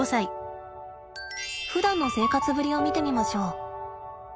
ふだんの生活ぶりを見てみましょう。